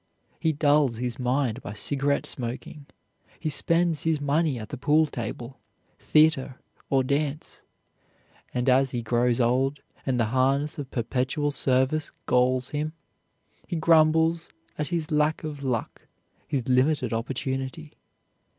He dulls his mind by cigarette smoking. He spends his money at the pool table, theater, or dance, and as he grows old, and the harness of perpetual service galls him, he grumbles at his lack of luck, his limited opportunity.